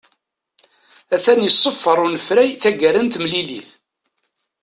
Atan iṣeffer unefray taggara n temlilit.